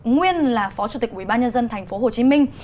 nguyên là phó chủ tịch ubnd tp hcm